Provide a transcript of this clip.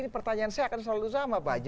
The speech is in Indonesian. pertanyaan saya akan selalu sama pak haji